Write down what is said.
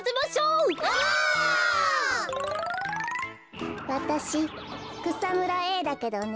オ！わたしくさむらＡだけどね。